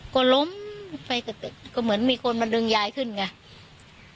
ก็ล้มไฟกระตึกก็เหมือนมีคนมาดึงยายขึ้นไง